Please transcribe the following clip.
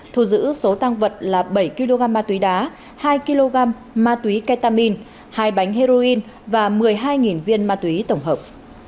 thu giữ số tăng vật là bảy kg ma túy đá hai kg ma túy ketamin hai bánh heroin và một mươi hai viên ma túy tổng hợp